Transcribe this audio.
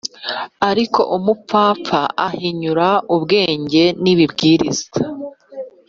Ariko umupfapfa ahinyura ubwenge n’ibibwiriza